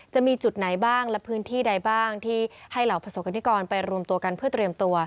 จะมีจุดไหนบ้างและพื้นที่ใดบ้างที่ให้เหล่าประสบกรณิกรไปรวมตัวกันเพื่อเตรียมตัว